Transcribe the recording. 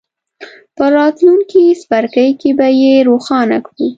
په راتلونکي څپرکي کې به یې روښانه کړو.